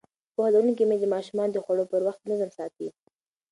پوهه لرونکې میندې د ماشومانو د خوړو پر وخت نظم ساتي.